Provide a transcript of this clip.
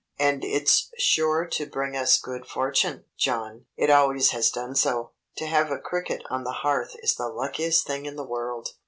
"And it's sure to bring us good fortune, John! It always has done so. To have a cricket on the hearth is the luckiest thing in the world!"